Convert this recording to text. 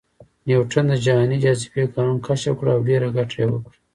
نیوټن د جهاني جاذبې قانون کشف کړ او ډېره ګټه یې وکړه